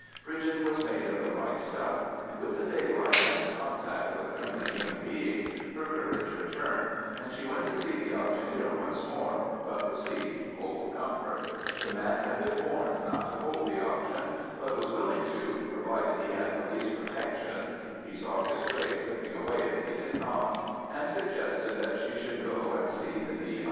Bridget was made of the right stuff, and with the daylight and the contact with friendly human beings her courage returned, and she went to see the auctioneer once more, but received cold comfort. The man had been warned not to hold the auction, but was willing to, provided he had police protection (he saw his trade slipping away if he did not), and suggested that she should go and see the D.